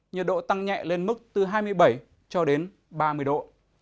nhiệt độ tăng nhẹ lên mức từ hai mươi bảy cho đến ba mươi độ